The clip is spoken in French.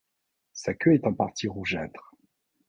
Sa queue est en partie rougeâtre.